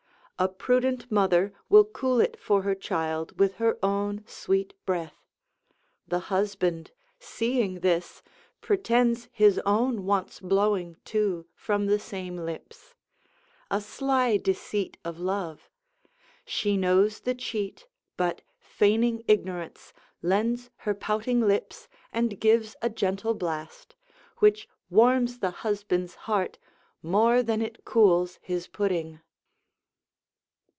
A prudent mother will cool it for her child with her own sweet breath. The husband, seeing this, pretends his own wants blowing, too, from the same lips. A sly deceit of love. She knows the cheat, but, feigning ignorance, lends her pouting lips and gives a gentle blast, which warms the husband's heart more than it cools his pudding.